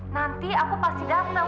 nanti aku pasti dateng